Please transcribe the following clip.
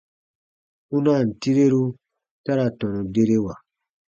Kpunaan tireru ta ra tɔnu derewa.